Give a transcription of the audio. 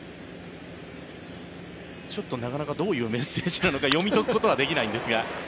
ちょっとなかなかどういうメッセージなのか読み解くことはできないんですが。